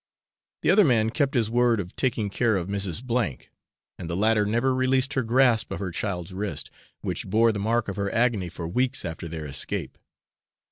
The other man kept his word of taking care of Mrs. F , and the latter never released her grasp of her child's wrist, which bore the mark of her agony for weeks after their escape.